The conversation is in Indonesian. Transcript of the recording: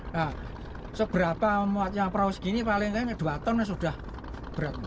nah seberapa memuatnya perahu segini paling paling dua ton sudah berat